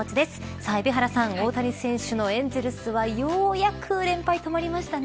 さあ海老原さん大谷選手のエンゼルスはようやく連敗止まりましたね。